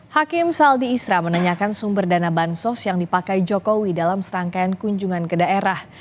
hakim saldi isra menanyakan sumber dana bansos yang dipakai jokowi dalam serangkaian kunjungan ke daerah